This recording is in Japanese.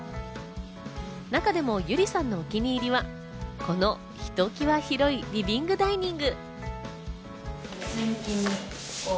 中でも友理さんのお気に入りはこのひときわ広いリビングダイニング。